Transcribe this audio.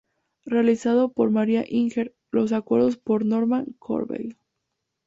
Realizado por Mariah Inger, los acuerdos por Normand Corbeil.